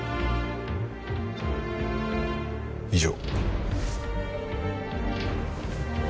以上。